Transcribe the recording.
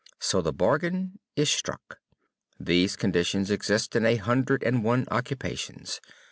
So the bargain is struck. These conditions exist in a hundred and one occupations.